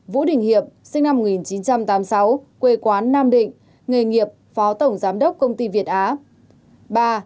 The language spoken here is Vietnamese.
bốn vũ đình hiệp sinh năm một nghìn chín trăm tám mươi sáu quê quán nam định nghề nghiệp phó tổng giám đốc công ty việt á